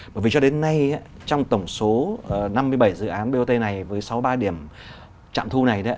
bởi vì cho đến nay trong tổng số năm mươi bảy dự án bot này với sáu mươi ba điểm trạm thu này